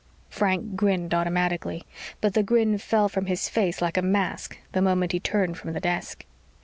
Frank grinned automatically, but the grin fell from his face like a mask the moment he turned from the desk.